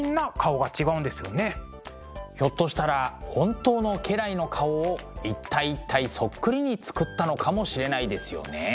ひょっとしたら本当の家来の顔を一体一体そっくりに作ったのかもしれないですよね。